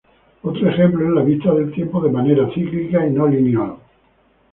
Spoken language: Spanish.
Otro ejemplo es la vista del tiempo de manera cíclica y no lineal.